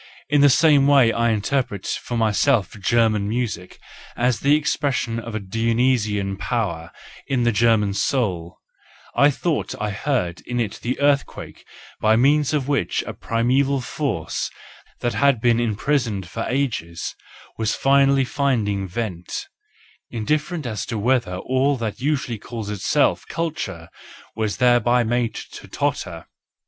In the same way I interpreted for myself German music as the expression of a Dionysian power in the German soul: I thought I heard in it the earthquake by means of which a primeval force that had been imprisoned for ages was finally finding vent—indifferent as to whether all that usually calls itself culture was thereby made to totter.